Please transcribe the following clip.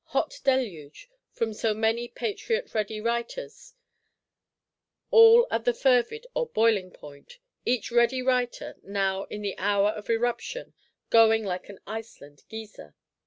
Hot deluge,—from so many Patriot ready writers, all at the fervid or boiling point; each ready writer, now in the hour of eruption, going like an Iceland Geyser!